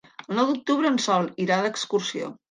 El nou d'octubre en Sol irà d'excursió.